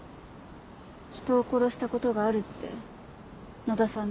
「人を殺したことがある」って野田さん